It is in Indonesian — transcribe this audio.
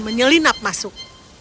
kru bernyelinap masuk